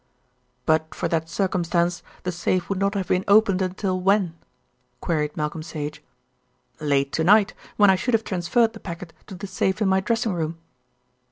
"But for that circumstance the safe would not have been opened until when?" queried Malcolm Sage. "Late to night, when I should have transferred the packet to the safe in my dressing room."